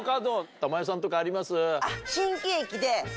珠代さんとかあります？